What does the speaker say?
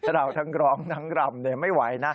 เราทั้งร้องทั้งรำเลยไม่ไหวนะ